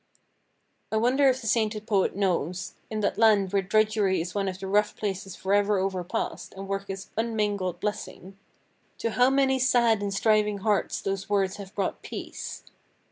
I wonder if the sainted poet knows—in that land where drudgery is one of the rough places forever overpast, and work is unmingled blessing—to how many sad and striving hearts those words have brought peace?